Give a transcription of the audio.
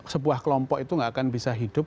sebuah kelompok itu nggak akan bisa hidup